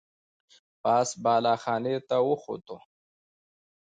پاس بالا خانې ته وخوته.